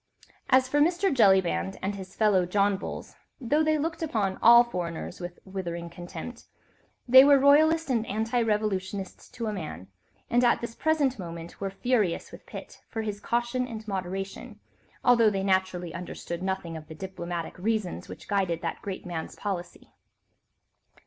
As for Mr. Jellyband and his fellow John Bulls, though they looked upon all foreigners with withering contempt, they were royalist and anti revolutionists to a man, and at this present moment were furious with Pitt for his caution and moderation, although they naturally understood nothing of the diplomatic reasons which guided that great man's policy.